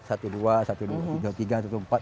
ada yang satu dua tujuh pak